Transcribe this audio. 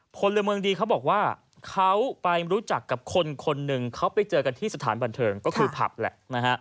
พลเมืองดีเขาบอกว่าเขาไปรู้จักกับคนคนหนึ่งเขาไปเจอกันที่สถานบันเทิงก็คือผับแหละนะฮะ